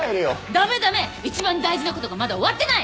駄目駄目一番大事なことがまだ終わってない！